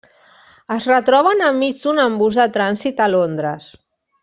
Es retroben enmig d'un embús de trànsit a Londres.